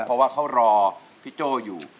เพราะว่าเขารอพี่โจ้อยู่